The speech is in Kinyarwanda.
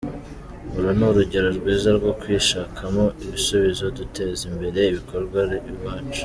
Uru ni urugero rwiza rwo kwishakamo ibisubizo duteza imbere ibikorerwa iwacu.